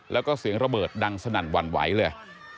แล้วก็เสียงระเบิดดังสนั่นหวั่นไหวเลย